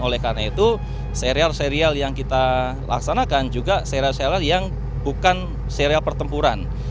oleh karena itu serial serial yang kita laksanakan juga serial serial yang bukan serial pertempuran